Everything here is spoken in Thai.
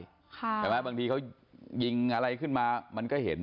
ใช่ไหมบางทีเขายิงอะไรขึ้นมามันก็เห็น